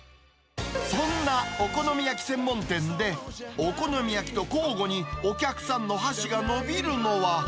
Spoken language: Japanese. そんなお好み焼き専門店で、お好み焼きと交互にお客さんの箸が伸びるのは。